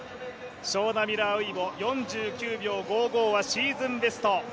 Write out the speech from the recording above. ショウナ・ミラー・ウイボ４９秒５５はシーズンベスト。